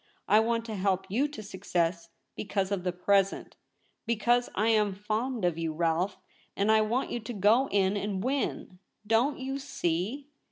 I want to help you to success because of the present ; be cause I am fond of you, Rolfe ; and I want you to go in and win — don't you see